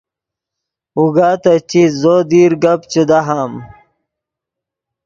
اوگا تے چیت زو دیر گپ چے دہام